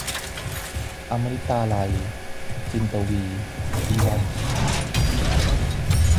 อมฤตาลัย - จินตวีร์ วิวัธน์